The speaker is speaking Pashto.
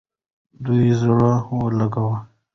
د ده زړه ولګېد.